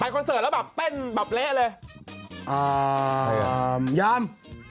ไปคอนเสิร์ตแล้วแบบเต้นแบบเละเลยอ่ายอม